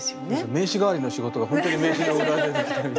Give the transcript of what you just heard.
名刺代わりの仕事がほんとに名刺の裏。